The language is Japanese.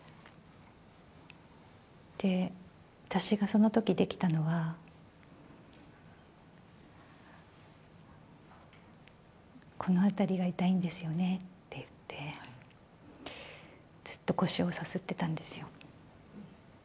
で、私がそのときできたのは、この辺りが痛いんですよねって言って、ずっと腰をさすってたんですよ。